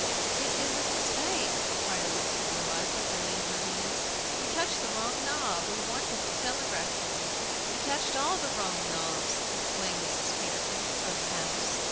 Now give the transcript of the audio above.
"It is a mistake," cried Elizabeth Eliza, wringing her hands. "We touched the wrong knob; we wanted the telegraph boy!" "We touched all the wrong knobs," exclaimed Mrs. Peterkin, from the house.